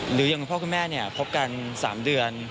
หรืออย่างคุณพ่อคุณแม่พบกัน๓เดือน